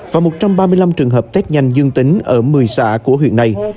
và một trăm ba mươi năm trường hợp test nhanh dương tính ở một mươi xã của huyện này